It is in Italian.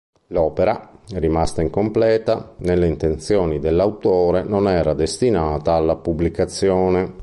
L'opera, rimasta incompleta, nelle intenzioni dell'autore non era destinata alla pubblicazione.